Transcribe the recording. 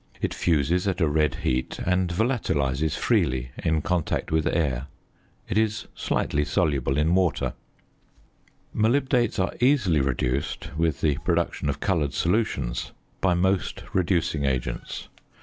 It fuses at a red heat, and volatilises freely in contact with air. It is slightly soluble in water. Molybdates are easily reduced, with the production of coloured solutions, by most reducing agents.